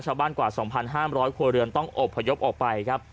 ชาวบ้านกว่าสองพันห้ามร้อยครัวเรือนต้องอบพยพออกไปครับ